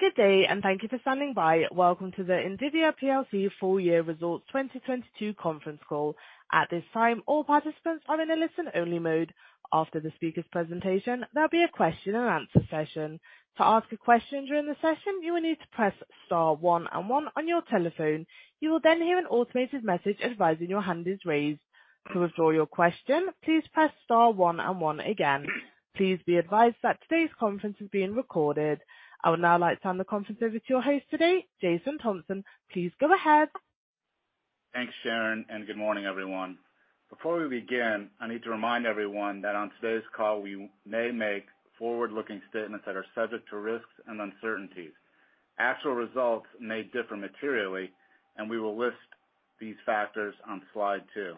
Good day. Thank you for standing by. Welcome to the Indivior PLC full year results 2022 conference call. At this time, all participants are in a listen-only mode. After the speaker's presentation, there'll be a question and answer session. To ask a question during the session, you will need to press star one and one on your telephone. You will hear an automated message advising your hand is raised. To withdraw your question, please press star one and one again. Please be advised that today's conference is being recorded. I would now like to hand the conference over to your host today, Jason Thompson. Please go ahead. Thanks, Sharon, and good morning, everyone. Before we begin, I need to remind everyone that on today's call, we may make forward-looking statements that are subject to risks and uncertainties. Actual results may differ materially, and we will list these factors on slide two.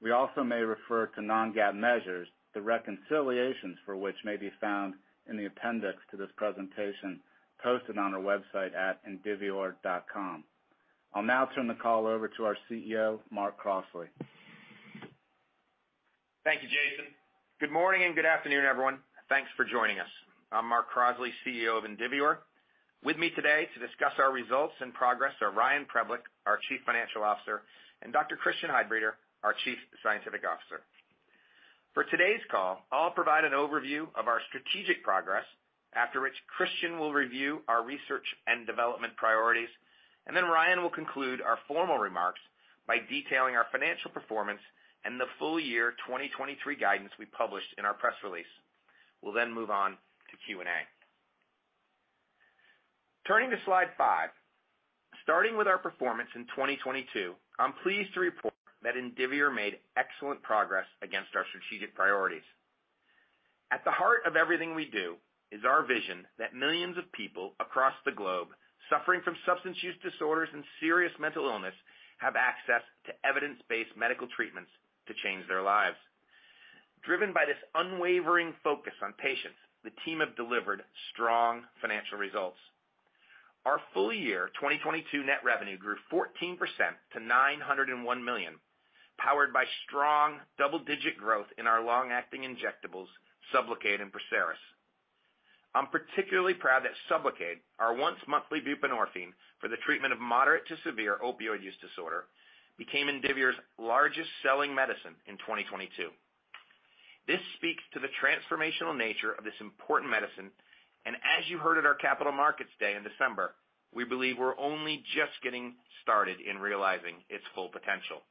We also may refer to Non-GAAP measures, the reconciliations for which may be found in the appendix to this presentation posted on our website at indivior.com. I'll now turn the call over to our CEO, Mark Crossley. Thank you, Jason. Good morning and good afternoon, everyone. Thanks for joining us. I'm Mark Crossley, CEO of Indivior. With me today to discuss our results and progress are Ryan Preblick, our Chief Financial Officer, and Dr. Christian Heidbreder, our Chief Scientific Officer. For today's call, I'll provide an overview of our strategic progress. After which, Christian will review our research and development priorities. Ryan will conclude our formal remarks by detailing our financial performance and the full year 2023 guidance we published in our press release. We'll move on to Q&A. Turning to slide five. Starting with our performance in 2022, I'm pleased to report that Indivior made excellent progress against our strategic priorities. At the heart of everything we do is our vision that millions of people across the globe suffering from substance use disorders and serious mental illness have access to evidence-based medical treatments to change their lives. Driven by this unwavering focus on patients, the team have delivered strong financial results. Our full year 2022 net revenue grew 14% to $901 million, powered by strong double-digit growth in our long-acting injectables, SUBLOCADE and PERSERIS. I'm particularly proud that SUBLOCADE, our once monthly buprenorphine for the treatment of moderate to severe opioid use disorder, became Indivior's largest selling medicine in 2022. This speaks to the transformational nature of this important medicine. As you heard at our Capital Markets Day in December, we believe we're only just getting started in realizing its full potential.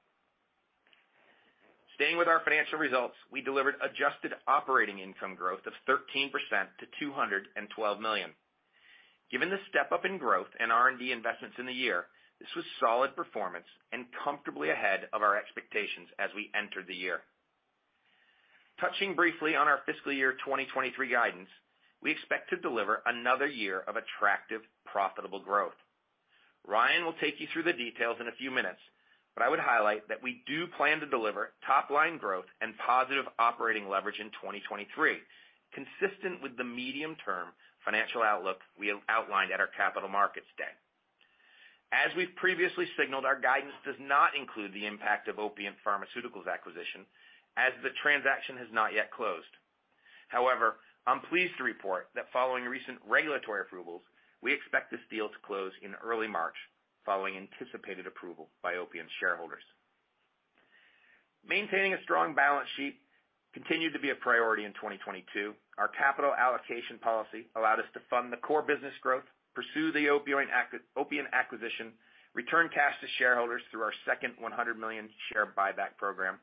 Staying with our financial results, we delivered adjusted operating income growth of 13% to $212 million. Given the step-up in growth and R&D investments in the year, this was solid performance and comfortably ahead of our expectations as we entered the year. Touching briefly on our fiscal year 2023 guidance, we expect to deliver another year of attractive, profitable growth. Ryan will take you through the details in a few minutes, I would highlight that we do plan to deliver top-line growth and positive operating leverage in 2023, consistent with the medium-term financial outlook we outlined at our Capital Markets Day. As we've previously signaled, our guidance does not include the impact of Opiant Pharmaceuticals acquisition as the transaction has not yet closed. I'm pleased to report that following recent regulatory approvals, we expect this deal to close in early March, following anticipated approval by Opiant shareholders. Maintaining a strong balance sheet continued to be a priority in 2022. Our capital allocation policy allowed us to fund the core business growth, pursue the Opiant acquisition, return cash to shareholders through our second $100 million share buyback program,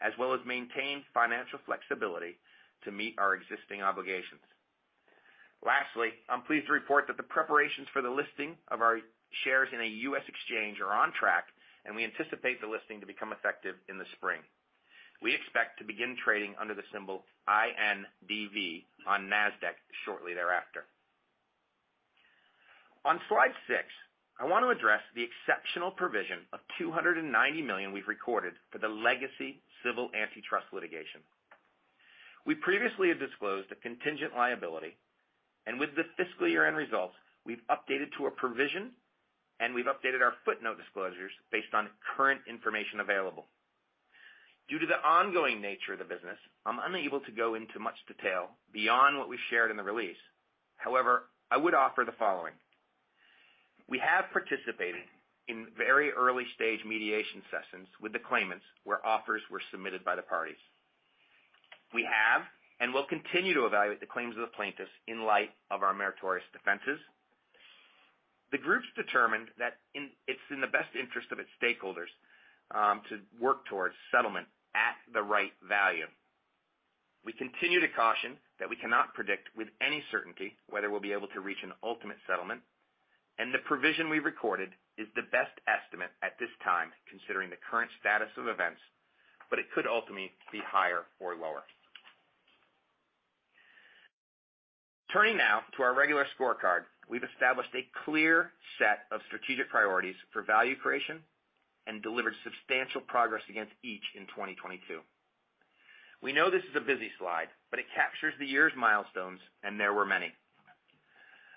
as well as maintain financial flexibility to meet our existing obligations. I'm pleased to report that the preparations for the listing of our shares in a U.S. exchange are on track, and we anticipate the listing to become effective in the spring. We expect to begin trading under the symbol INDV on Nasdaq shortly thereafter. On slide six, I want to address the exceptional provision of $290 million we've recorded for the legacy civil antitrust litigation. We previously had disclosed a contingent liability, and with the fiscal year-end results, we've updated to a provision, and we've updated our footnote disclosures based on current information available. Due to the ongoing nature of the business, I'm unable to go into much detail beyond what we shared in the release. However, I would offer the following. We have participated in very early-stage mediation sessions with the claimants where offers were submitted by the parties. We have and will continue to evaluate the claims of the plaintiffs in light of our meritorious defenses. The groups determined that it's in the best interest of its stakeholders to work towards settlement at the right value. We continue to caution that we cannot predict with any certainty whether we'll be able to reach an ultimate settlement, the provision we recorded is the best estimate at this time, considering the current status of events, but it could ultimately be higher or lower. Turning now to our regular scorecard. We've established a clear set of strategic priorities for value creation and delivered substantial progress against each in 2022. We know this is a busy slide, it captures the year's milestones, there were many.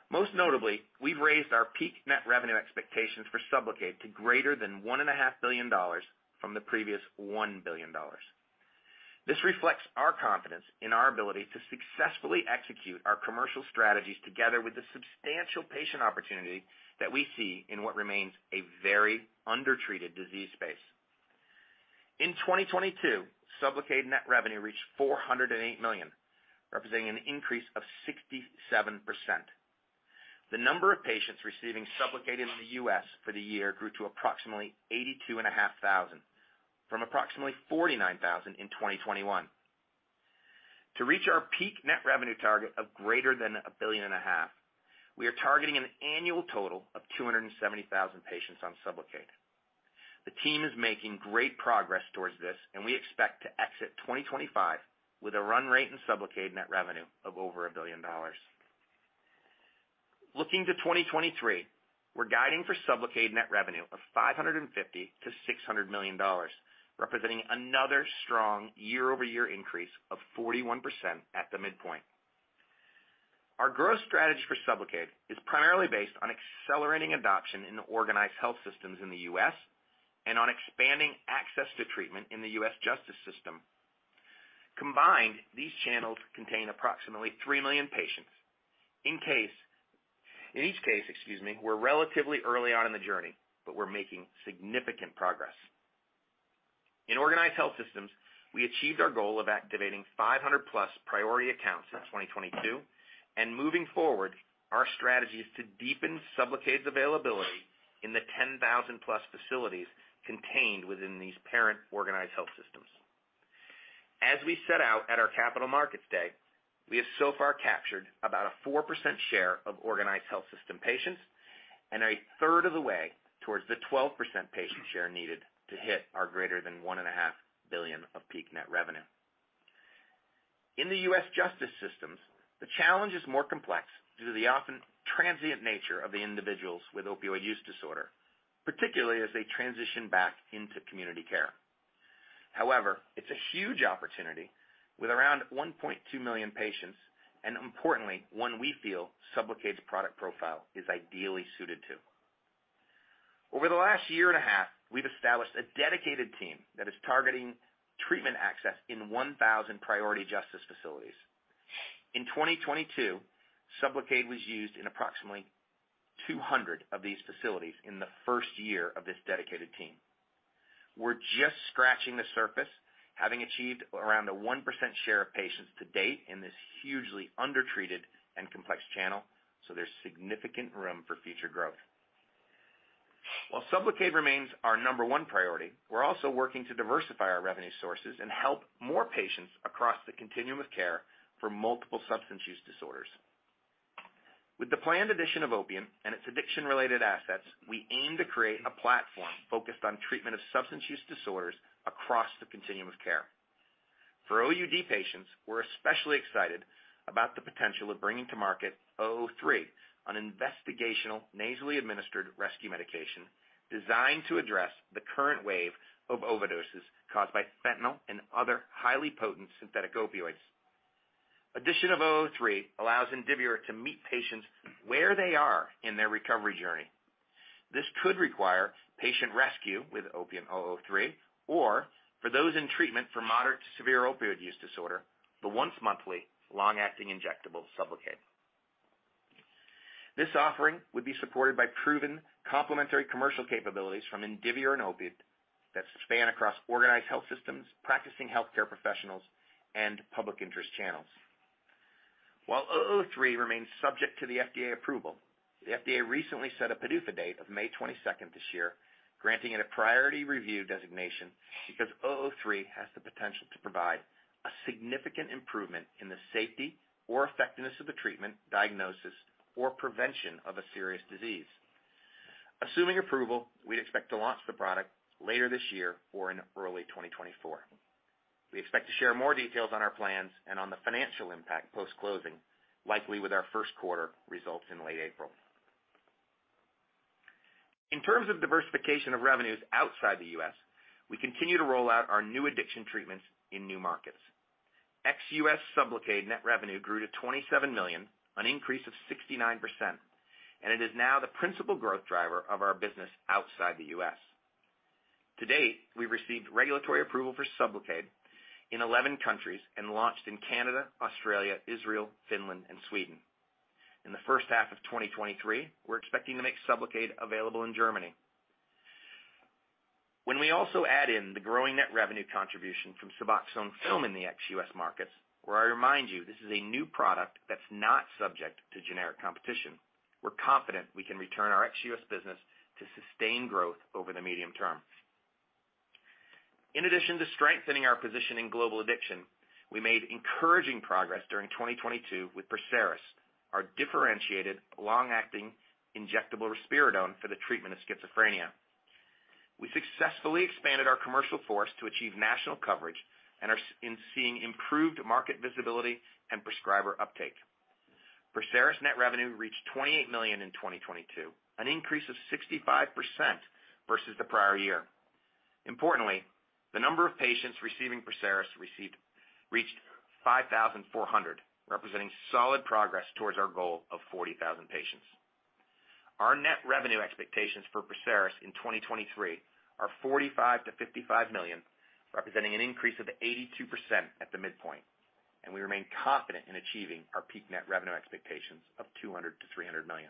Most notably, we've raised our peak net revenue expectations for SUBLOCADE to greater than one and a half billion dollars from the previous $1 billion. This reflects our confidence in our ability to successfully execute our commercial strategies together with the substantial patient opportunity that we see in what remains a very undertreated disease space. In 2022, SUBLOCADE net revenue reached $408 million, representing an increase of 67%. The number of patients receiving SUBLOCADE in the U.S. for the year grew to approximately 82.5 thousand, from approximately 49 thousand in 2021. To reach our peak net revenue target of greater than $1.5 billion, we are targeting an annual total of 270 thousand patients on SUBLOCADE. The team is making great progress towards this. We expect to exit 2025 with a run rate in SUBLOCADE net revenue of over $1 billion. Looking to 2023, we're guiding for SUBLOCADE net revenue of $550 million-$600 million, representing another strong year-over-year increase of 41% at the midpoint. Our growth strategy for SUBLOCADE is primarily based on accelerating adoption in the organized health systems in the U.S. and on expanding access to treatment in the U.S. justice system. Combined, these channels contain approximately three million patients. In each case, excuse me, we're relatively early on in the journey, but we're making significant progress. In organized health systems, we achieved our goal of activating 500-plus priority accounts in 2022. Moving forward, our strategy is to deepen SUBLOCADE's availability in the 10,000-plus facilities contained within these parent organized health systems. As we set out at our Capital Markets Day, we have so far captured about a 4% share of organized health system patients and a third of the way towards the 12% patient share needed to hit our greater than $1.5 billion of peak net revenue. In the U.S. justice systems, the challenge is more complex due to the often transient nature of the individuals with opioid use disorder, particularly as they transition back into community care. However, it's a huge opportunity with around 1.2 million patients, and importantly, one we feel SUBLOCADE's product profile is ideally suited to. Over the last year and a half, we've established a dedicated team that is targeting treatment access in 1,000 priority justice facilities. In 2022, SUBLOCADE was used in approximately 200 of these facilities in the first year of this dedicated team. We're just scratching the surface, having achieved around a 1% share of patients to date in this hugely undertreated and complex channel, there's significant room for future growth. While SUBLOCADE remains our number one priority, we're also working to diversify our revenue sources and help more patients across the continuum of care for multiple substance use disorders. With the planned addition of Opiant and its addiction-related assets, we aim to create a platform focused on treatment of substance use disorders across the continuum of care. For OUD patients, we're especially excited about the potential of bringing to market OPNT003, an investigational nasally administered rescue medication designed to address the current wave of overdoses caused by fentanyl and other highly potent synthetic opioids. Addition of OPNT003 allows Indivior to meet patients where they are in their recovery journey. This could require patient rescue with Opiant OPNT003 or, for those in treatment for moderate to severe opioid use disorder, the once-monthly long-acting injectable SUBLOCADE. This offering would be supported by proven complementary commercial capabilities from Indivior and Opiant that span across organized health systems, practicing healthcare professionals, and public interest channels. While OPNT003 remains subject to the FDA approval, the FDA recently set a PDUFA date of May 22nd this year, granting it a priority review designation because OPNT003 has the potential to provide a significant improvement in the safety or effectiveness of the treatment, diagnosis, or prevention of a serious disease. Assuming approval, we expect to launch the product later this year or in early 2024. We expect to share more details on our plans and on the financial impact post-closing, likely with our Q1 results in late April. In terms of diversification of revenues outside the U.S., we continue to roll out our new addiction treatments in new markets. Ex-US SUBLOCADE net revenue grew to $27 million, an increase of 69%, it is now the principal growth driver of our business outside the U.S. To date, we've received regulatory approval for SUBLOCADE in 11 countries and launched in Canada, Australia, Israel, Finland, and Sweden. In the H1 of 2023, we're expecting to make SUBLOCADE available in Germany. When we also add in the growing net revenue contribution from SUBOXONE Film in the ex-US markets, where I remind you this is a new product that's not subject to generic competition, we're confident we can return our ex-U.S. business to sustained growth over the medium term. In addition to strengthening our position in global addiction, we made encouraging progress during 2022 with PERSERIS, our differentiated long-acting injectable risperidone for the treatment of schizophrenia. We successfully expanded our commercial force to achieve national coverage and are in seeing improved market visibility and prescriber uptake. PERSERIS net revenue reached $28 million in 2022, an increase of 65% versus the prior year. Importantly, the number of patients receiving PERSERIS reached 5,400 representing solid progress towards our goal of 40,000 patients. Our net revenue expectations for PERSERIS in 2023 are $45 million-$55 million, representing an increase of 82% at the midpoint. We remain confident in achieving our peak net revenue expectations of $200 million-$300 million.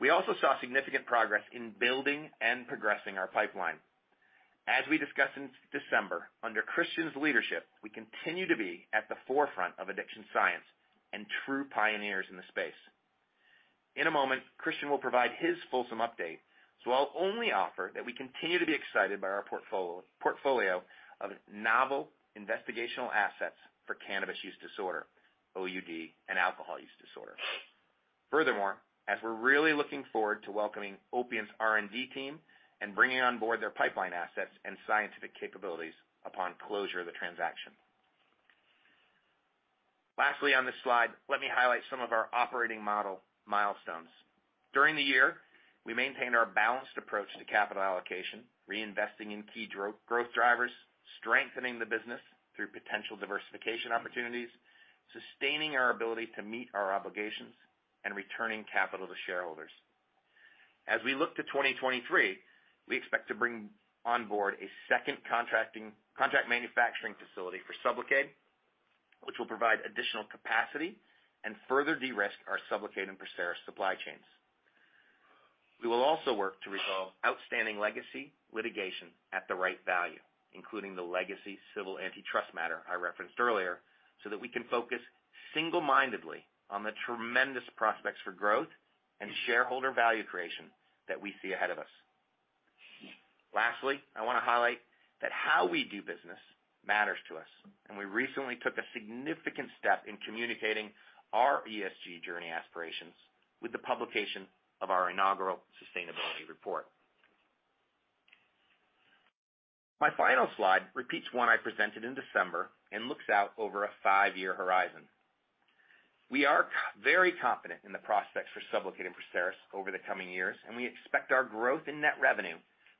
We also saw significant progress in building and progressing our pipeline. As we discussed in December, under Christian's leadership, we continue to be at the forefront of addiction science and true pioneers in the space. In a moment, Christian will provide his fulsome update, so I'll only offer that we continue to be excited by our portfolio of novel investigational assets for cannabis use disorder, OUD, and alcohol use disorder. Furthermore, as we're really looking forward to welcoming Opiant's R&D team and bringing on board their pipeline assets and scientific capabilities upon closure of the transaction. Lastly, on this slide, let me highlight some of our operating model milestones. During the year, we maintained our balanced approach to capital allocation, reinvesting in key growth drivers, strengthening the business through potential diversification opportunities, sustaining our ability to meet our obligations, and returning capital to shareholders. As we look to 2023, we expect to bring on board a second contract manufacturing facility for SUBLOCADE, which will provide additional capacity and further de-risk our SUBLOCADE and PERSERIS supply chains. We will also work to resolve outstanding legacy litigation at the right value, including the legacy civil antitrust matter I referenced earlier, so that we can focus single-mindedly on the tremendous prospects for growth and shareholder value creation that we see ahead of us. Lastly, I wanna highlight that how we do business matters to us. We recently took a significant step in communicating our ESG journey aspirations with the publication of our inaugural sustainability report. My final slide repeats one I presented in December and looks out over a five-year horizon. We are very confident in the prospects for SUBLOCADE and PERSERIS over the coming years. We expect our growth in net revenue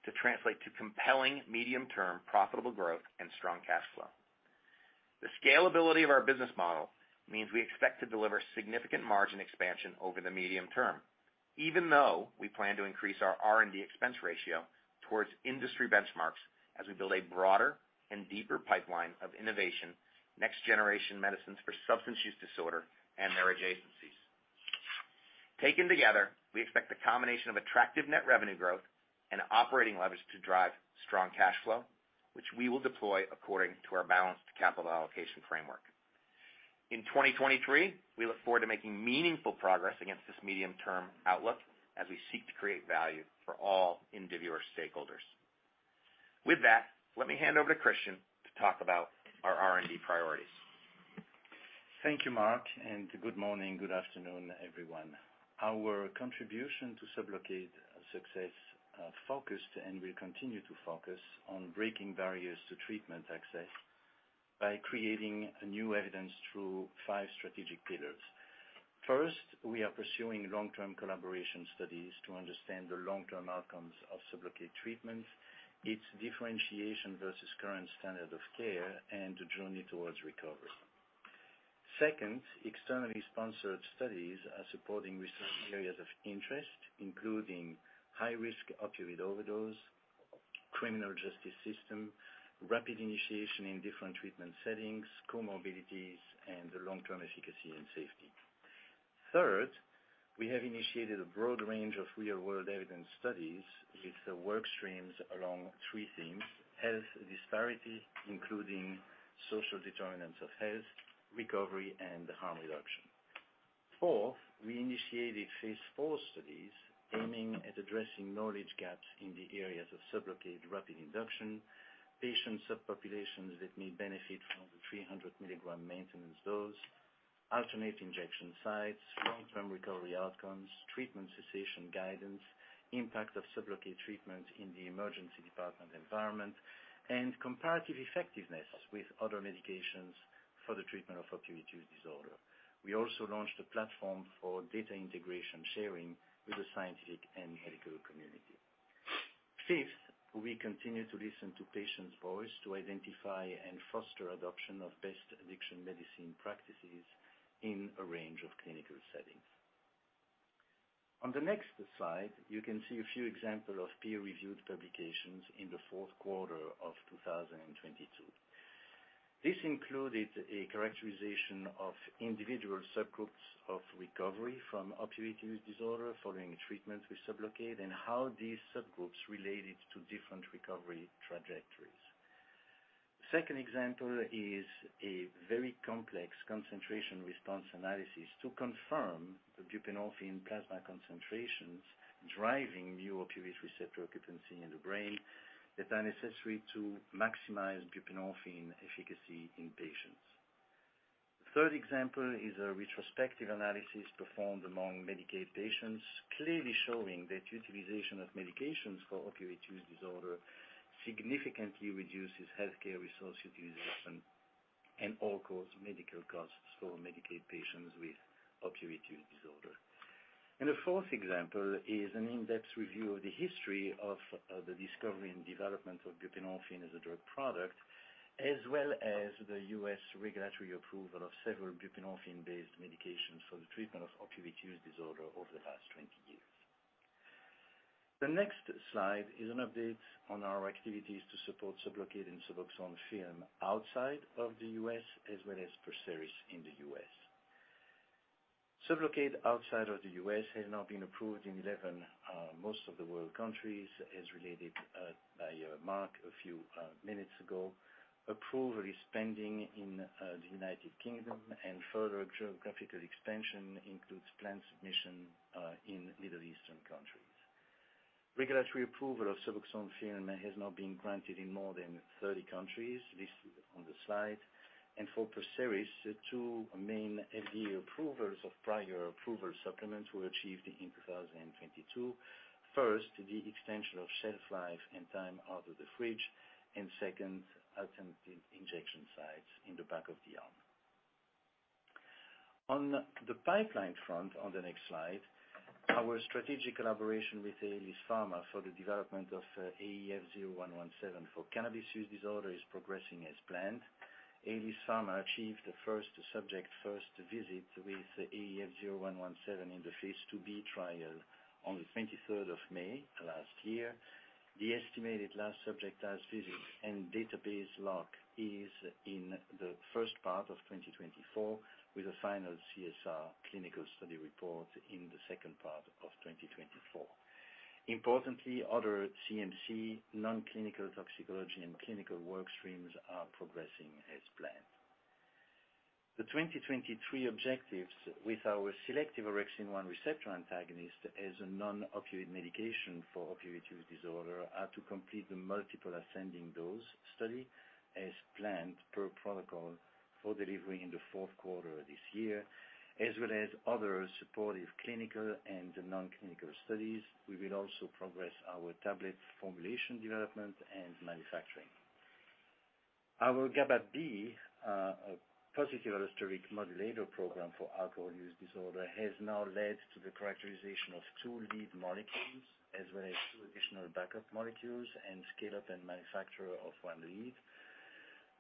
to translate to compelling medium-term profitable growth and strong cash flow. The scalability of our business model means we expect to deliver significant margin expansion over the medium term, even though we plan to increase our R&D expense ratio towards industry benchmarks as we build a broader and deeper pipeline of innovation, next generation medicines for substance use disorder and their adjacencies. Taken together, we expect the combination of attractive net revenue growth and operating leverage to drive strong cash flow, which we will deploy according to our balanced capital allocation framework. In 2023, we look forward to making meaningful progress against this medium-term outlook as we seek to create value for all Indivior stakeholders. Let me hand over to Christian to talk about our R&D priorities. Thank you, Mark, and good morning, good afternoon, everyone. Our contribution to SUBLOCADE success focused and will continue to focus on breaking barriers to treatment access by creating new evidence through five strategic pillars. First, we are pursuing long-term collaboration studies to understand the long-term outcomes of SUBLOCADE treatments, its differentiation versus current standard of care, and the journey towards recovery. Second, externally sponsored studies are supporting recent areas of interest, including high risk opioid overdose, criminal justice system, rapid initiation in different treatment settings, comorbidities, and the long-term efficacy and safety. Third, we have initiated a broad range of real-world evidence studies with the work streams along three themes: health disparity, including social determinants of health, recovery, and harm reduction. Fourth, we initiated phase four studies aiming at addressing knowledge gaps in the areas of SUBLOCADE rapid induction, patient subpopulations that may benefit from the 300 milligram maintenance dose, alternate injection sites, long-term recovery outcomes, treatment cessation guidance, impact of SUBLOCADE treatment in the emergency department environment, and comparative effectiveness with other medications for the treatment of opioid use disorder. We also launched a platform for data integration sharing with the scientific and medical community. Fifth, we continue to listen to patients' voice to identify and foster adoption of best addiction medicine practices in a range of clinical settings. On the next slide, you can see a few example of peer-reviewed publications in the Q4 of 2022. This included a characterization of individual subgroups of recovery from opioid use disorder following treatment with SUBLOCADE and how these subgroups related to different recovery trajectories. Second example is a very complex concentration response analysis to confirm the buprenorphine plasma concentrations driving new opioid receptor occupancy in the brain that are necessary to maximize buprenorphine efficacy in patients. Third example is a retrospective analysis performed among Medicaid patients, clearly showing that utilization of medications for opioid use disorder significantly reduces healthcare resource utilization and all-cause medical costs for Medicaid patients with opioid use disorder. The fourth example is an in-depth review of the history of the discovery and development of buprenorphine as a drug product, as well as the U.S. regulatory approval of several buprenorphine-based medications for the treatment of opioid use disorder over the past 20 years. The next slide is an update on our activities to support SUBLOCADE and SUBOXONE Film outside of the U.S., as well as PERSERIS in the U.S. SUBLOCADE outside of the U.S. has now been approved in 11 most of the world countries, as related by Mark a few minutes ago approval is pending in the United Kingdom, and further geographical expansion includes planned submission in Middle Eastern countries. Regulatory approval of SUBOXONE Film has now been granted in more than 30 countries, listed on the slide. For PERSERIS, two main FDA approvals of Prior Approval Supplements were achieved in 2022. First, the extension of shelf life and time out of the fridge. Second, alternative injection sites in the back of the arm. On the pipeline front, on the next slide, our strategic collaboration with Aelis Pharma for the development of AEF0117 for cannabis use disorder is progressing as planned. Aelis Pharma achieved the first subject, first visit with AEF0117 in the Phase IIb trial on the 23rd of May last year. The estimated last subject as visit and database lock is in the first part of 2024, with a final CSR clinical study report in the second part of 2024. Importantly, other CMC, non-clinical toxicology, and clinical work streams are progressing as planned. The 2023 objectives with our selective orexin-1 receptor antagonist as a non-opioid medication for opioid use disorder are to complete the Multiple Ascending Dose study as planned per protocol for delivery in the Q4 this year, as well as other supportive clinical and non-clinical studies. We will also progress our tablet formulation development and manufacturing. Our GABAB, a positive allosteric modulator program for alcohol use disorder, has now led to the characterization of two lead molecules as well as two additional backup molecules, and scale up and manufacture of one lead.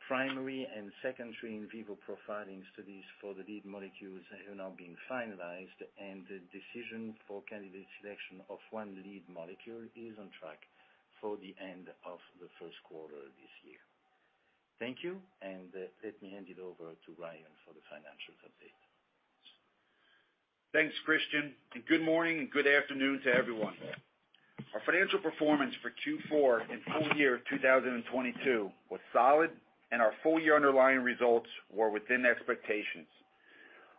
Primary and secondary in vivo profiling studies for the lead molecules are now being finalized, and the decision for candidate selection of one lead molecule is on track for the end of the Q1 this year. Thank you, and let me hand it over to Ryan for the financials update. Thanks, Christian. Good morning and good afternoon to everyone. Our financial performance for Q4 and full year 2022 was solid, and our full year underlying results were within expectations.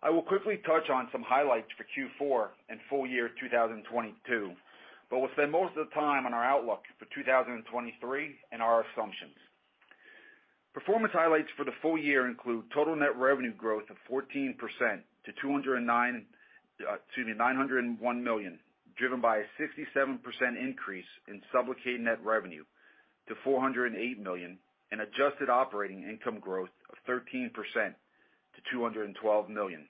I will quickly touch on some highlights for Q4 and full year 2022, but we'll spend most of the time on our outlook for 2023 and our assumptions. Performance highlights for the full year include total net revenue growth of 14% to $901 million, driven by a 67% increase in SUBLOCADE net revenue to $408 million. Adjusted operating income growth of 13% to $212 million.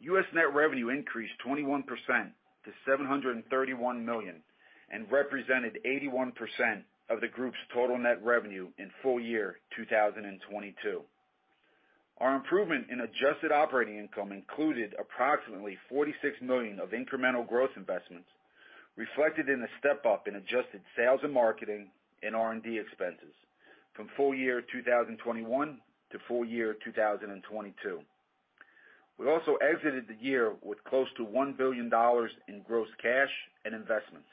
U.S. net revenue increased 21% to $731 million. Represented 81% of the group's total net revenue in full year 2022. Our improvement in adjusted operating income included approximately $46 million of incremental growth investments, reflected in a step-up in adjusted sales and marketing and R&D expenses from full year 2021 to full year 2022. We also exited the year with close to $1 billion in gross cash and investments.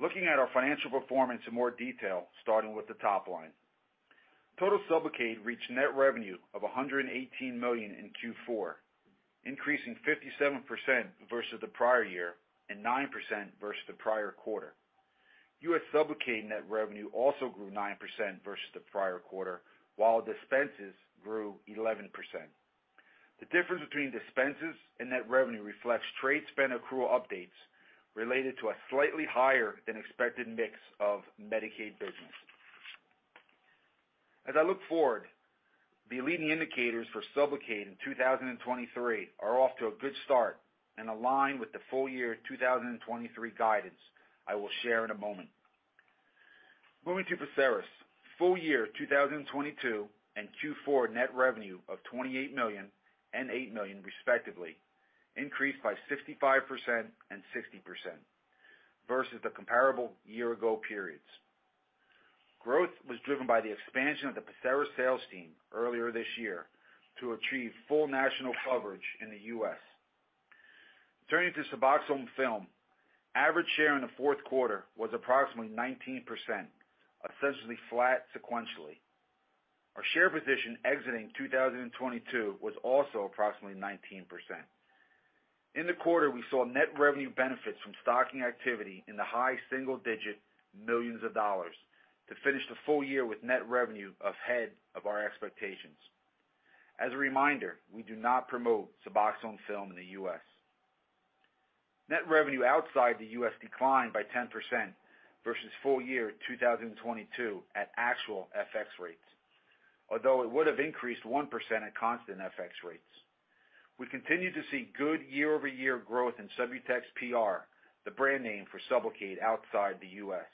Looking at our financial performance in more detail, starting with the top line. Total SUBLOCADE reached net revenue of $118 million in Q4, increasing 57% versus the prior year and 9% versus the prior quarter. U.S. SUBLOCADE net revenue also grew 9% versus the prior quarter, while dispenses grew 11%. The difference between dispenses and net revenue reflects trade spend accrual updates related to a slightly higher than expected mix of Medicaid business. As I look forward, the leading indicators for SUBLOCADE in 2023 are off to a good start and align with the full year 2023 guidance I will share in a moment. Moving to PERSERIS. Full year 2022 and Q4 net revenue of $28 million and $8 million, respectively, increased by 65% and 60% versus the comparable year ago periods. Growth was driven by the expansion of the PERSERIS sales team earlier this year to achieve full national coverage in the U.S. Turning to SUBOXONE Film. Average share in the Q4 was approximately 19%, essentially flat sequentially. Our share position exiting 2022 was also approximately 19%. In the quarter, we saw net revenue benefits from stocking activity in the high single-digit millions of dollars to finish the full year with net revenue ahead of our expectations. As a reminder, we do not promote SUBOXONE Film in the U.S. Net revenue outside the U.S. declined by 10% versus full year 2022 at actual FX rates, although it would have increased 1% at constant FX rates. We continue to see good year-over-year growth in Subutex PR, the brand name for SUBLOCADE outside the U.S.,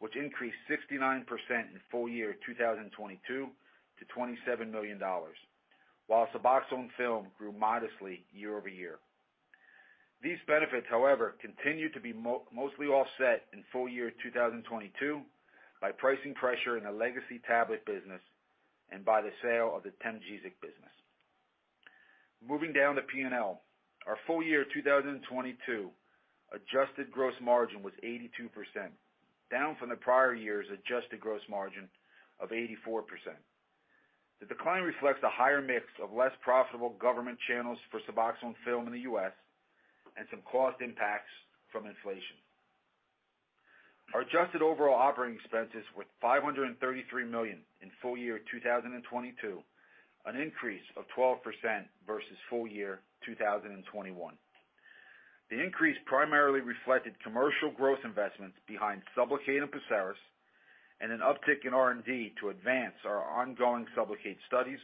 which increased 69% in full year 2022 to $27 million, while SUBOXONE Film grew modestly year-over-year. These benefits, however, continue to be mostly offset in full year 2022 by pricing pressure in the legacy tablet business and by the sale of the Temgesic business. Moving down to P&L, our full year 2022 adjusted gross margin was 82%, down from the prior year's adjusted gross margin of 84%. The decline reflects the higher mix of less profitable government channels for SUBOXONE Film in the U.S. and some cost impacts from inflation. Our adjusted overall OpEx were $533 million in full year 2022, an increase of 12% versus full year 2021. The increase primarily reflected commercial growth investments behind SUBLOCADE and PERSERIS, and an uptick in R&D to advance our ongoing SUBLOCADE studies,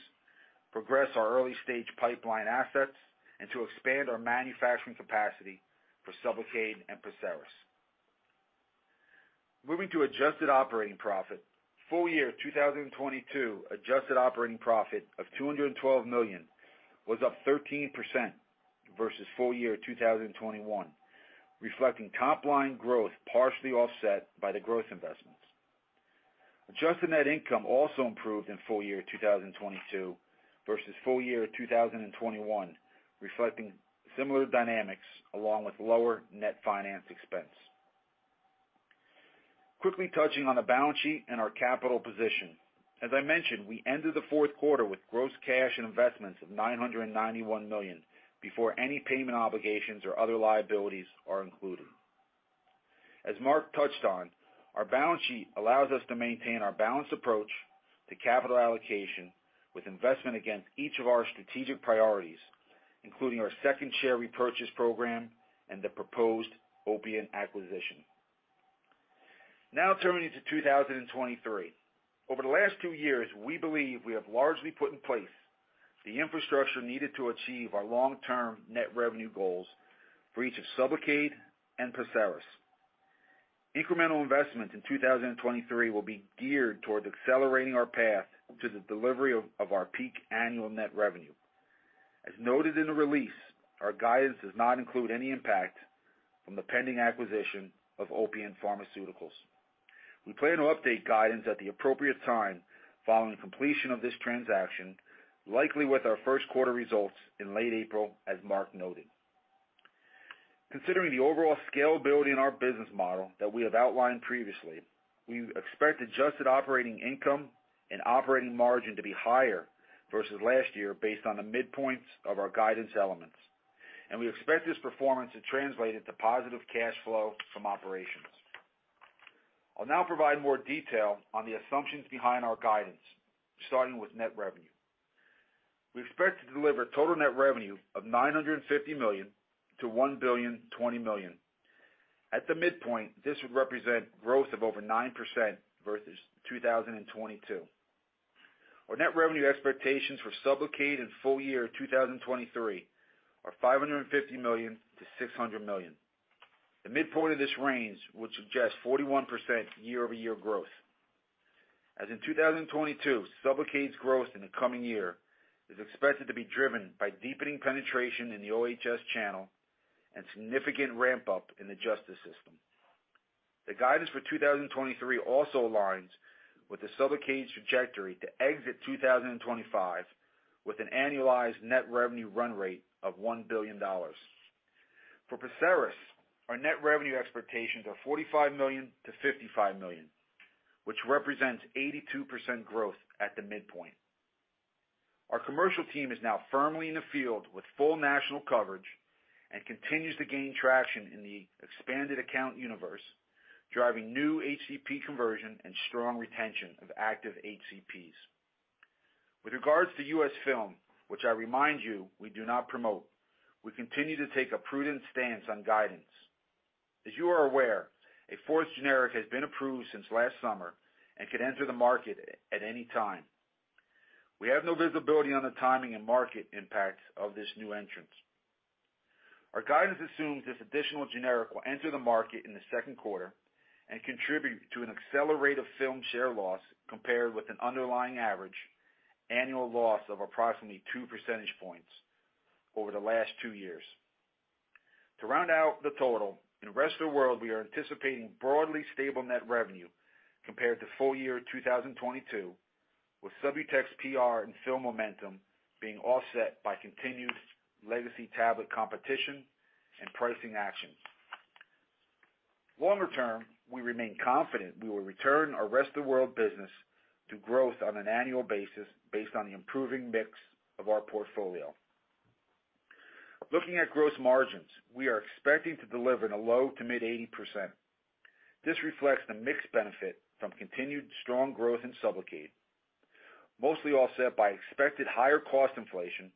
progress our early-stage pipeline assets, and to expand our manufacturing capacity for SUBLOCADE and PERSERIS. Moving to adjusted operating profit. Full year 2022 adjusted operating profit of $212 million was up 13% versus full year 2021, reflecting top line growth partially offset by the growth investments. Adjusted net income also improved in full year 2022 versus full year 2021, reflecting similar dynamics along with lower net finance expense. Quickly touching on the balance sheet and our capital position. As I mentioned, we ended the Q4 with gross cash and investments of $991 million before any payment obligations or other liabilities are included. As Mark touched on, our balance sheet allows us to maintain our balanced approach to capital allocation with investment against each of our strategic priorities, including our second share repurchase program and the proposed Opiant acquisition. Turning to 2023. Over the last two years, we believe we have largely put in place the infrastructure needed to achieve our long-term net revenue goals for each of SUBLOCADE and PERSERIS. Incremental investments in 2023 will be geared towards accelerating our path to the delivery of our peak annual net revenue. As noted in the release, our guidance does not include any impact from the pending acquisition of Opiant Pharmaceuticals. We plan to update guidance at the appropriate time following completion of this transaction, likely with our Q1 results in late April, as Mark noted. Considering the overall scalability in our business model that we have outlined previously, we expect adjusted operating income and operating margin to be higher versus last year based on the midpoints of our guidance elements. We expect this performance to translate into positive cash flow from operations. I'll now provide more detail on the assumptions behind our guidance, starting with net revenue. We expect to deliver total net revenue of $950 million to $1,020 million. At the midpoint, this would represent growth of over 9% versus 2022. Our net revenue expectations for SUBLOCADE in full year 2023 are $550 million to $600 million. The midpoint of this range would suggest 41% year-over-year growth. As in 2022, SUBLOCADE's growth in the coming year is expected to be driven by deepening penetration in the OHS channel and significant ramp up in the justice system. The guidance for 2023 also aligns with the SUBLOCADE's trajectory to exit 2025 with an annualized net revenue run rate of $1 billion. For PERSERIS, our net revenue expectations are $45 million-$55 million, which represents 82% growth at the midpoint. Our commercial team is now firmly in the field with full national coverage and continues to gain traction in the expanded account universe, driving new HCP conversion and strong retention of active HCPs. With regards to US Film, which I remind you we do not promote, we continue to take a prudent stance on guidance. As you are aware, a fourth generic has been approved since last summer and could enter the market at any time. We have no visibility on the timing and market impact of this new entrance. Our guidance assumes this additional generic will enter the market in the second quarter and contribute to an accelerated film share loss compared with an underlying average annual loss of approximately 2% points over the last two years. To round out the total, in rest of the world, we are anticipating broadly stable net revenue compared to full year 2022, with Subutex PR and film momentum being offset by continued legacy tablet competition and pricing actions. Longer term, we remain confident we will return our rest of world business to growth on an annual basis based on the improving mix of our portfolio. Looking at gross margins, we are expecting to deliver in the low to mid 80%. This reflects the mix benefit from continued strong growth in SUBLOCADE. Mostly offset by expected higher cost inflation,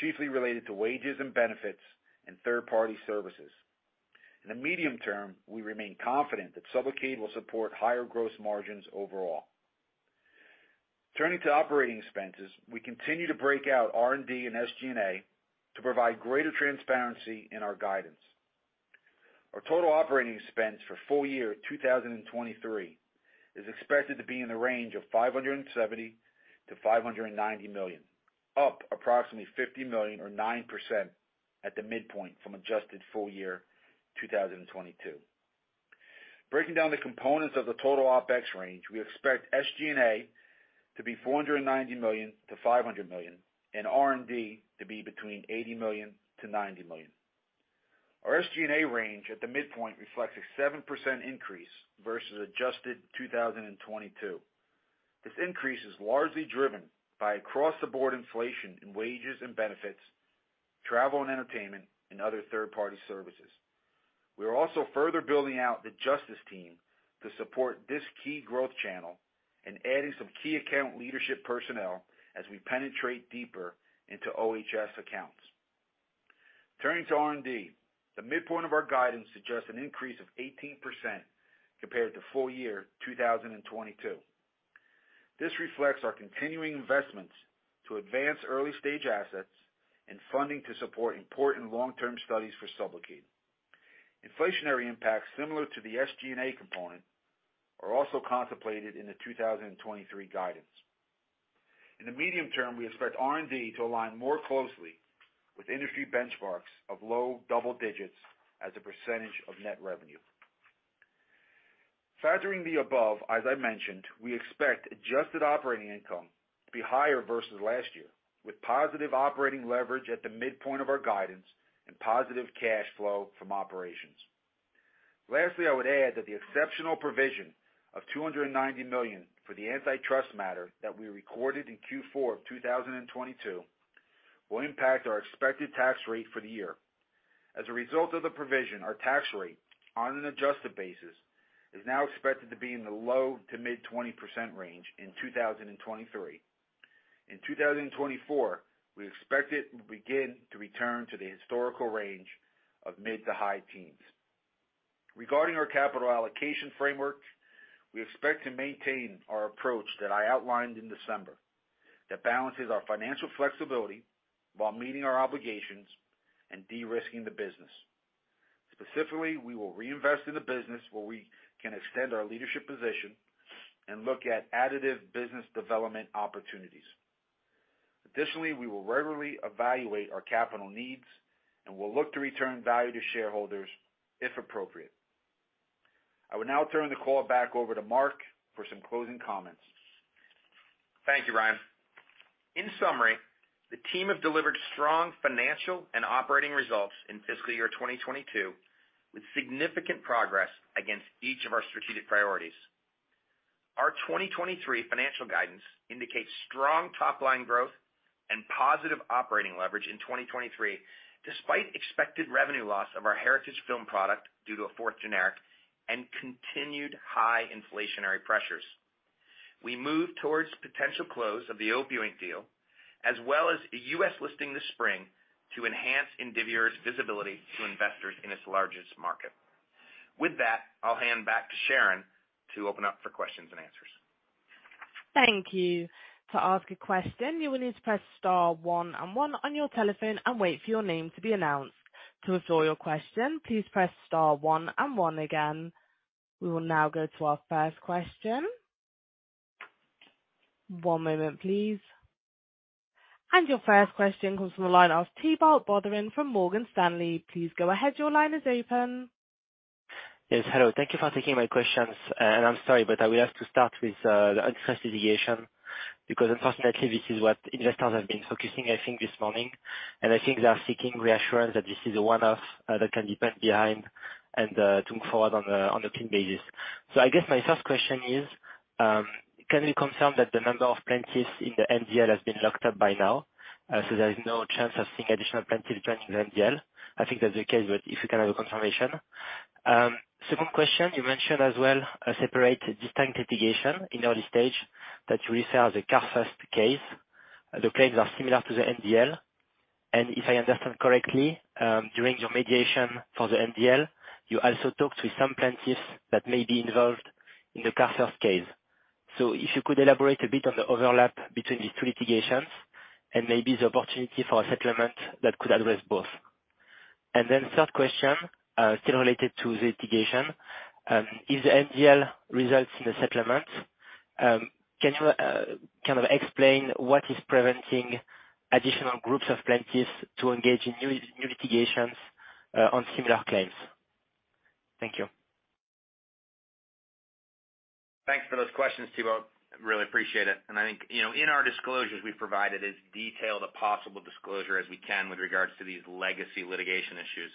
chiefly related to wages and benefits and third-party services. In the medium term, we remain confident that SUBLOCADE will support higher gross margins overall. Turning to operating expenses, we continue to break out R&D and SG&A to provide greater transparency in our guidance. Our total OpEx for full year 2023 is expected to be in the range of $570 million-$590 million, up approximately $50 million or 9% at the midpoint from adjusted full year 2022. Breaking down the components of the total OpEx range, we expect SG&A to be $490 million-$500 million and R&D to be between $80 million-$90 million. Our SG&A range at the midpoint reflects a 7% increase versus adjusted 2022. This increase is largely driven by across-the-board inflation in wages and benefits, travel and entertainment, and other third-party services. We are also further building out the Justice team to support this key growth channel and adding some key account leadership personnel as we penetrate deeper into OHS accounts. Turning to R&D, the midpoint of our guidance suggests an increase of 18% compared to full year 2022. This reflects our continuing investments to advance early-stage assets and funding to support important long-term studies for SUBLOCADE. Inflationary impacts similar to the SG&A component are also contemplated in the 2023 guidance. In the medium term, we expect R&D to align more closely with industry benchmarks of low double digits as a percentage of net revenue. Factoring the above, as I mentioned, we expect adjusted operating income to be higher versus last year, with positive operating leverage at the midpoint of our guidance and positive cash flow from operations. Lastly, I would add that the exceptional provision of $290 million for the antitrust matter that we recorded in Q4 of 2022 will impact our expected tax rate for the year. As a result of the provision, our tax rate on an adjusted basis is now expected to be in the low to mid 20% range in 2023. In 2024, we expect it will begin to return to the historical range of mid to high teens. Regarding our capital allocation framework, we expect to maintain our approach that I outlined in December that balances our financial flexibility while meeting our obligations and de-risking the business. Specifically, we will reinvest in the business where we can extend our leadership position and look at additive business development opportunities. Additionally, we will regularly evaluate our capital needs and will look to return value to shareholders if appropriate. I will now turn the call back over to Mark for some closing comments. Thank you, Ryan. In summary, the team have delivered strong financial and operating results in fiscal year 2022, with significant progress against each of our strategic priorities. Our 2023 financial guidance indicates strong top-line growth and positive operating leverage in 2023, despite expected revenue loss of our heritage film product due to a fourth generic and continued high inflationary pressures. We move towards potential close of the Opiant deal, as well as a U.S. listing this spring to enhance Indivior's visibility to investors in its largest market. With that, I'll hand back to Sharon to open up for questions and answers. Thank you. To ask a question, you will need to press star one and one on your telephone and wait for your name to be announced. To withdraw your question, please press star one and one again. We will now go to our first question. One moment, please. Your first question comes from the line of Thibault Boutherin from Morgan Stanley. Please go ahead. Your line is open. Yes. Hello. Thank you for taking my questions. I'm sorry, but I will have to start with the antitrust litigation because unfortunately, this is what investors have been focusing, I think, this morning. I think they are seeking reassurance that this is a one-off that can be put behind and to look forward on a clean basis. I guess my first question is, can you confirm that the number of plaintiffs in the MDL has been locked up by now? There is no chance of seeing additional plaintiffs joining the MDL. I think that's the case, but if you can have a confirmation. Second question, you mentioned as well a separate distinct litigation in early stage that you refer as a CareFirst case. The claims are similar to the MDL. If I understand correctly, during your mediation for the MDL, you also talked with some plaintiffs that may be involved in the CareFirst case. If you could elaborate a bit on the overlap between these two litigations and maybe the opportunity for a settlement that could address both. Third question, still related to the litigation, if the MDL results in a settlement, can you kind of explain what is preventing additional groups of plaintiffs to engage in new litigations on similar claims? Thank you. Thanks for those questions, Thibault. Really appreciate it. I think, you know, in our disclosures, we've provided as detailed a possible disclosure as we can with regards to these legacy litigation issues.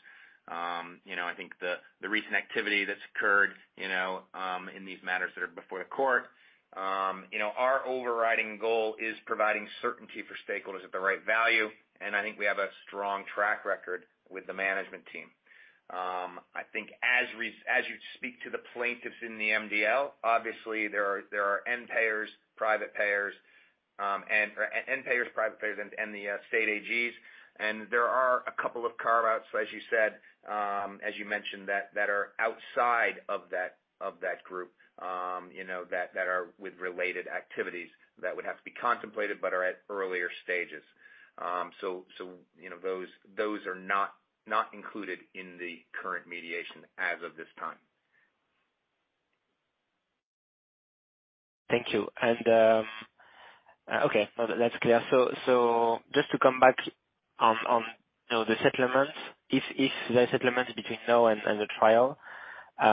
You know, I think the recent activity that's occurred, you know, in these matters that are before the court, you know, our overriding goal is providing certainty for stakeholders at the right value, and I think we have a strong track record with the management team. I think as you speak to the plaintiffs in the MDL, obviously there are end payers, private payers, and, or, and payers, private payers and the state AGs. There are a couple of carve-outs, as you said, as you mentioned, that are outside of that group, you know, that are with related activities that would have to be contemplated but are at earlier stages. You know, those are not included in the current mediation as of this time. Thank you. Okay, no, that's clear. Just to come back on, you know, the settlement. If the settlement between now and the trial, you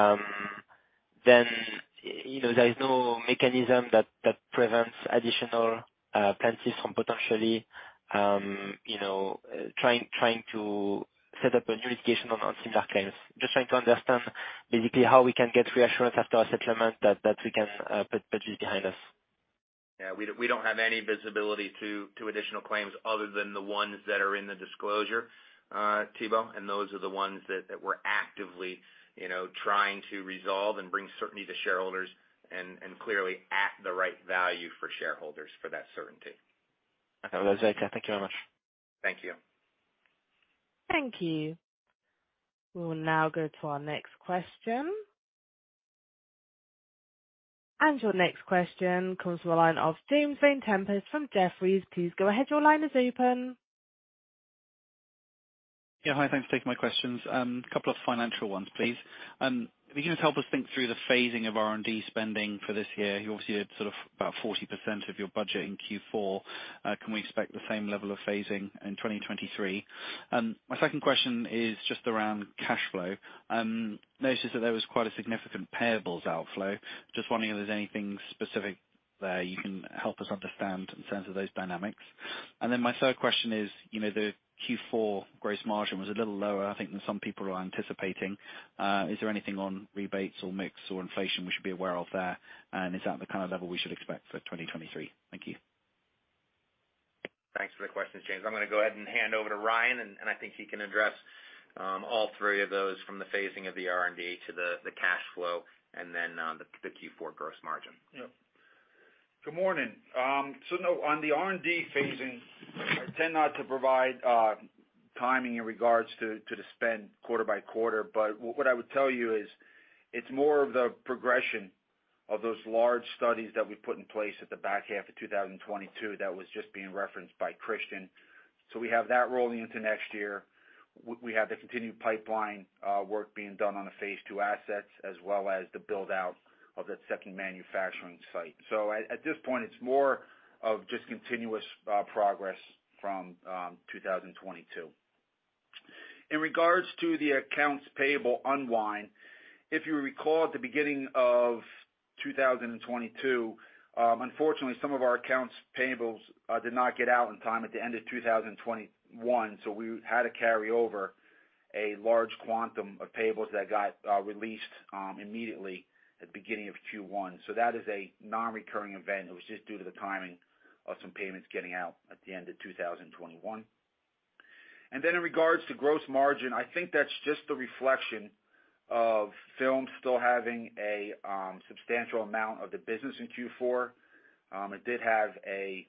know, there is no mechanism that prevents additional plaintiffs from potentially, you know, trying to set up a new litigation on unseen claims. Just trying to understand basically how we can get reassurance after our settlement that we can put behind us. Yeah, we don't have any visibility to additional claims other than the ones that are in the disclosure, Thibault, and those are the ones that we're actively, you know, trying to resolve and bring certainty to shareholders and clearly at the right value for shareholders for that certainty. Okay. That's okay. Thank you very much. Thank you. Thank you. We will now go to our next question. Your next question comes from the line of James Vane-Tempest from Jefferies. Please go ahead. Your line is open. Yeah, hi. Thanks for taking my questions. A couple of financial ones, please. Can you just help us think through the phasing of R&D spending for this year? You obviously had sort of about 40% of your budget in Q4. Can we expect the same level of phasing in 2023? My second question is just around cash flow. Noticed that there was quite a significant payables outflow. Just wondering if there's anything specific there you can help us understand in terms of those dynamics. My third question is, you know, the Q4 gross margin was a little lower, I think, than some people are anticipating. Is there anything on rebates or mix or inflation we should be aware of there? Is that the kind of level we should expect for 2023? Thank you. Thanks for the questions, James. I'm gonna go ahead and hand over to Ryan and I think he can address, all three of those from the phasing of the R&D to the cash flow and then, the Q4 gross margin. Good morning. No, on the R&D phasing, I tend not to provide timing in regards to the spend quarter by quarter, but what I would tell you is it's more of the progression of those large studies that we put in place at the back half of 2022 that was just being referenced by Christian. We have that rolling into next year. We have the continued pipeline work being done on the phase II assets as well as the build-out of that second manufacturing site. At this point it's more of just continuous progress from 2022. In regards to the accounts payable unwind, if you recall at the beginning of 2022, unfortunately some of our accounts payables did not get out in time at the end of 2021. We had to carry over a large quantum of payables that got released immediately at the beginning of Q1. That is a non-recurring event. It was just due to the timing of some payments getting out at the end of 2021. In regards to gross margin, I think that's just the reflection of film still having a substantial amount of the business in Q4. It did have a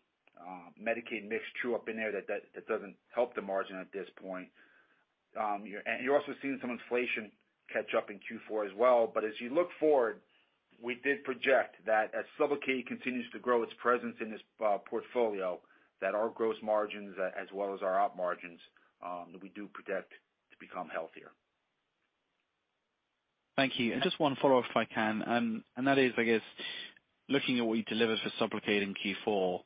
Medicaid mix true up in there that doesn't help the margin at this point. You're also seeing some inflation catch up in Q4 as well. As you look forward, we did project that as SUBLOCADE continues to grow its presence in this portfolio, that our gross margins, as well as our op margins, we do predict to become healthier. Thank you. Just one follow-up, if I can. That is, I guess, looking at what you delivered for SUBLOCADE in Q4,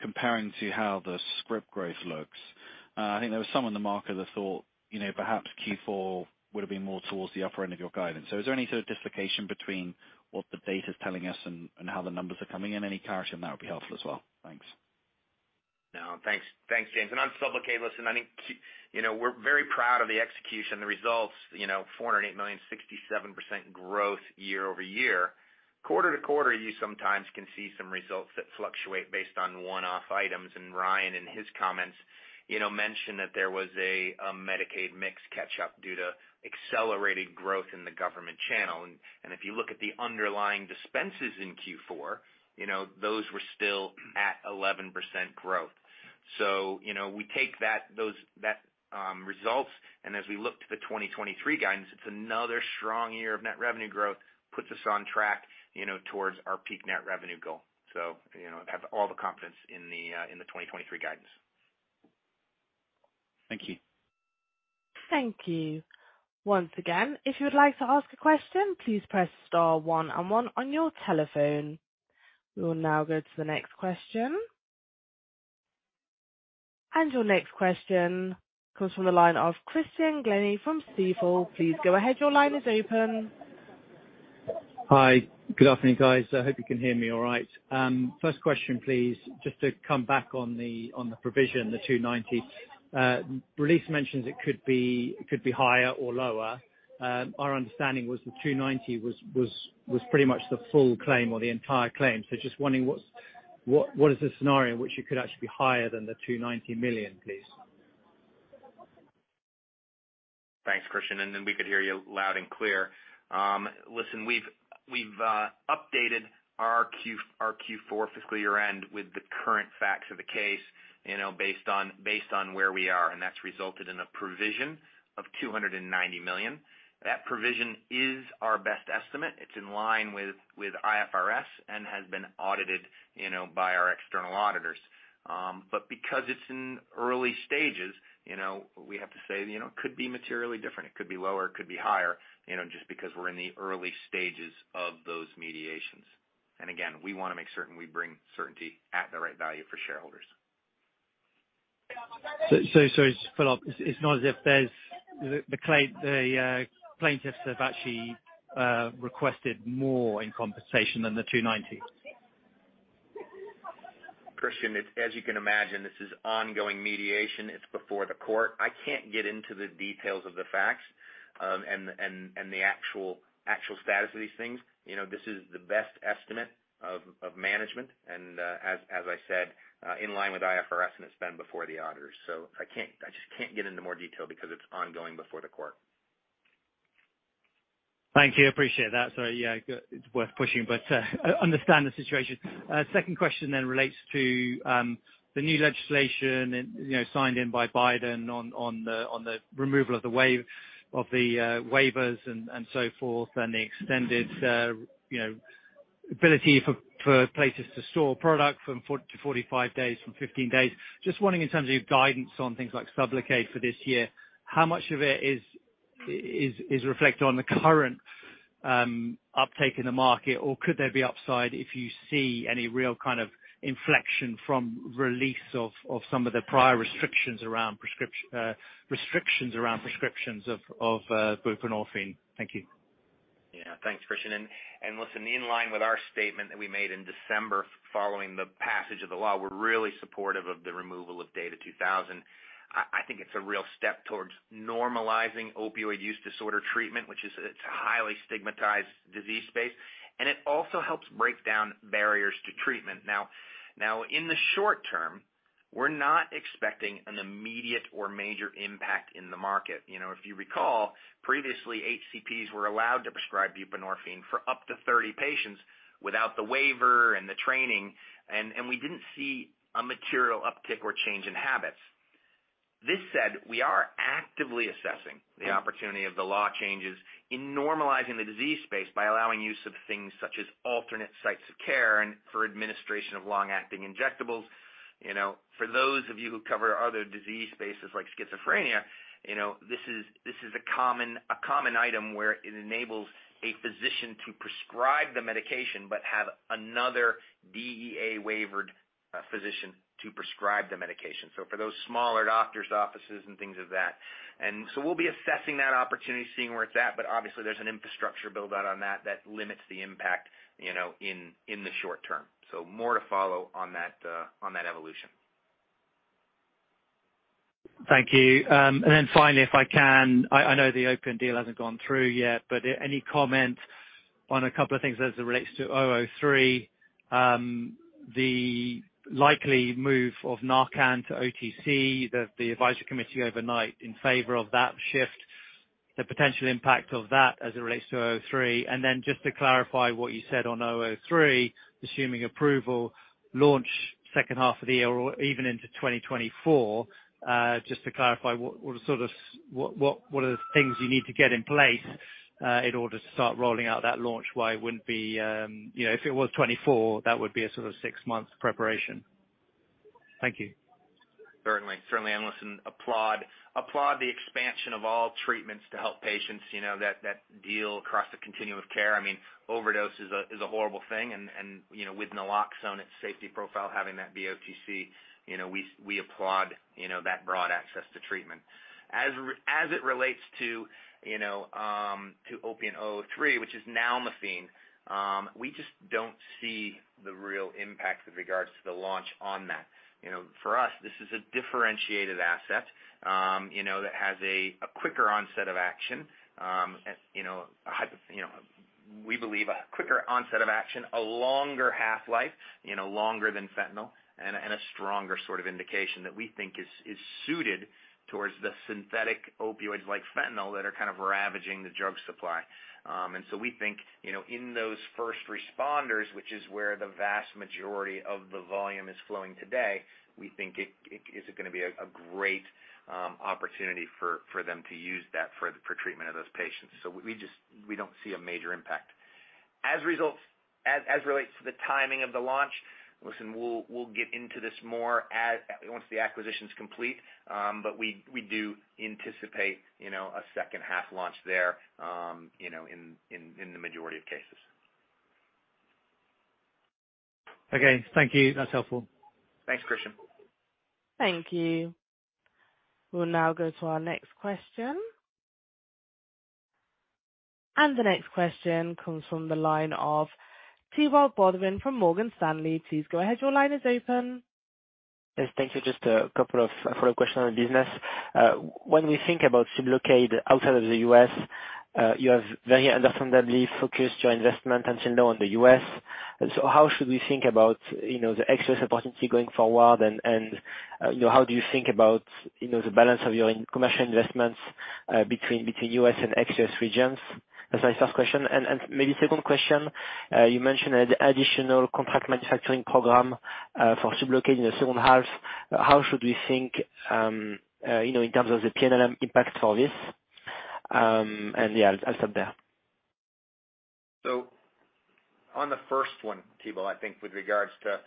comparing to how the script growth looks, I think there was some in the market that thought, you know, perhaps Q4 would have been more towards the upper end of your guidance. Is there any sort of dislocation between what the data's telling us and how the numbers are coming in? Any clarity on that would be helpful as well. Thanks. No, thanks, James. On SUBLOCADE, listen, I think, you know, we're very proud of the execution, the results, you know, $408 million, 67% growth year-over-year. Quarter-to-quarter, you sometimes can see some results that fluctuate based on one-off items. Ryan in his comments, you know, mentioned that there was a Medicaid mix catch up due to accelerated growth in the government channel. If you look at the underlying dispenses in Q4, you know, those were still at 11% growth. We take that results, and as we look to the 2023 guidance, it's another strong year of net revenue growth, puts us on track, you know, towards our peak net revenue goal. Have all the confidence in the 2023 guidance. Thank you. Thank you. Once again, if you would like to ask a question, please press star one and one on your telephone. We will now go to the next question. Your next question comes from the line of Christian Glennie from Stifel. Please go ahead. Your line is open. Hi. Good afternoon, guys. I hope you can hear me all right. First question, please. Just to come back on the, on the provision, the 290. Release mentions it could be, could be higher or lower. Our understanding was the 290 was pretty much the full claim or the entire claim. Just wondering what is the scenario in which it could actually be higher than the $290 million, please? We could hear you loud and clear. Listen, we've updated our Q4 fiscal year end with the current facts of the case, you know, based on, based on where we are, and that's resulted in a provision of $290 million. That provision is our best estimate. It's in line with IFRS and has been audited, you know, by our external auditors. But because it's in early stages, you know, we have to say, you know, it could be materially different, it could be lower, it could be higher, you know, just because we're in the early stages of those mediations. Again, we wanna make certain we bring certainty at the right value for shareholders. Phillip, it's not as if the plaintiffs have actually requested more in compensation than $290? Christian, as you can imagine, this is ongoing mediation. It's before the court. I can't get into the details of the facts, and the actual status of these things. You know, this is the best estimate of management and, as I said, in line with IFRS and it's been before the auditors. I just can't get into more detail because it's ongoing before the court. Thank you. Appreciate that. Yeah, it's worth pushing, but understand the situation. Second question relates to the new legislation, you know, signed in by Biden on the removal of the waivers and so forth, and the extended, you know, ability for places to store product from 45 days from 15 days. Just wondering in terms of your guidance on things like SUBLOCADE for this year, how much of it is reflected on the current uptake in the market, or could there be upside if you see any real kind of inflection from release of some of the prior restrictions around prescriptions of buprenorphine. Thank you. Yeah. Thanks, Christian. Listen, in line with our statement that we made in December following the passage of the law, we're really supportive of the removal of DATA 2000. I think it's a real step towards normalizing opioid use disorder treatment, which is it's a highly stigmatized disease space, and it also helps break down barriers to treatment. Now, in the short term, we're not expecting an immediate or major impact in the market. You know, if you recall, previously HCPs were allowed to prescribe buprenorphine for up to 30 patients without the waiver and the training, and we didn't see a material uptick or change in habits. This said, we are actively assessing the opportunity of the law changes in normalizing the disease space by allowing use of things such as alternate sites of care and for administration of long-acting injectables. You know, for those of you who cover other disease spaces like schizophrenia, you know, this is a common item where it enables a physician to prescribe the medication but have another DEA waivered physician to prescribe the medication. For those smaller doctor's offices and things of that. We'll be assessing that opportunity, seeing where it's at. Obviously there's an infrastructure build out on that limits the impact, you know, in the short term. More to follow on that, on that evolution. Thank you. Finally, if I can, I know the Opiant deal hasn't gone through yet, any comment on a couple of things as it relates to OPNT003, the likely move of Narcan to OTC, the advisory committee overnight in favor of that shift, the potential impact of that as it relates to OPNT003. Just to clarify what you said on OPNT003, assuming approval, launch H2 of the year or even into 2024. Just to clarify, what are sort of what are the things you need to get in place in order to start rolling out that launch? Why it wouldn't be, you know, if it was 2024, that would be a sort of six months preparation. Thank you. Certainly. Certainly, listen, applaud the expansion of all treatments to help patients, you know, that deal across the continuum of care. I mean, overdose is a horrible thing and, you know, with naloxone, its safety profile having that be OTC, you know, we applaud, you know, that broad access to treatment. As it relates to, you know, to OPNT003, which is nalmefene, we just don't see the real impact with regards to the launch on that. You know, for us, this is a differentiated asset, you know, that has a quicker onset of action. you know, we believe a quicker onset of action, a longer half-life, you know, longer than fentanyl and a stronger sort of indication that we think is suited towards the synthetic opioids like fentanyl that are kind of ravaging the drug supply. we think, you know, in those first responders, which is where the vast majority of the volume is flowing today, we think it is gonna be a great opportunity for them to use that for treatment of those patients. we don't see a major impact. As relates to the timing of the launch, listen, we'll get into this more once the acquisition is complete. We, we do anticipate, you know, a second half launch there, you know, in, in the majority of cases. Okay. Thank you. That's helpful. Thanks, Christian. Thank you. We'll now go to our next question. The next question comes from the line of Thibault Boutherin from Morgan Stanley. Please go ahead. Your line is open. Yes, thank you. Just a couple of follow-up questions on the business. When we think about SUBLOCADE outside of the U.S. You have very understandably focused your investment until now on the U.S. How should we think about, you know, the excess opportunity going forward and how do you think about, you know, the balance of your commercial investments between U.S. and excess regions? That's my first question. Maybe second question, you mentioned an additional contract manufacturing program for SUBLOCADE in the second half. How should we think, you know, in terms of the P&L impact for this? Yeah, I'll stop there. On the first one, Thibault, I think with regards to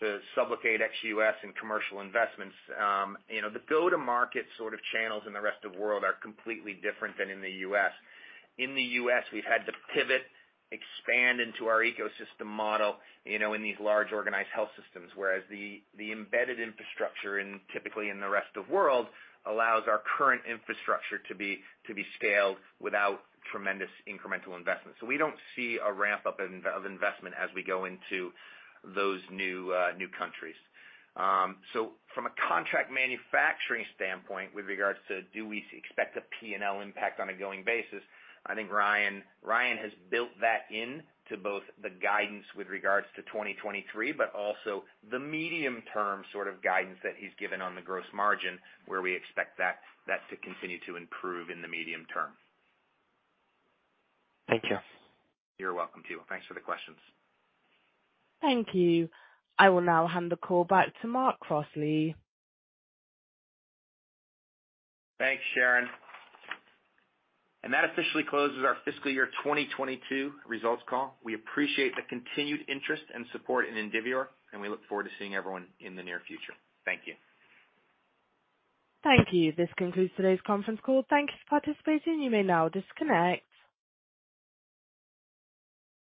the SUBLOCADE ex-U.S. and commercial investments, you know, the go-to-market sort of channels in the rest of the world are completely different than in the U.S. In the U.S., we've had to pivot, expand into our ecosystem model, you know, in these large organized health systems, whereas the embedded infrastructure in, typically in the rest of world allows our current infrastructure to be scaled without tremendous incremental investment. We don't see a ramp-up of investment as we go into those new countries. From a contract manufacturing standpoint, with regards to do we expect a P&L impact on a going basis, I think Ryan has built that in to both the guidance with regards to 2023, but also the medium-term sort of guidance that he's given on the gross margin, where we expect that to continue to improve in the medium term. Thank you. You're welcome, Thibault. Thanks for the questions. Thank you. I will now hand the call back to Mark Crossley. Thanks, Sharon. That officially closes our fiscal year 2022 results call. We appreciate the continued interest and support in Indivior, and we look forward to seeing everyone in the near future. Thank you. Thank you. This concludes today's conference call. Thank you for participating. You may now disconnect.